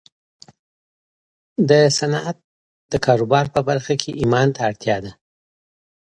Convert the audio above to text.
د صنعت د کاروبار په برخه کې ايمان ته اړتيا ده.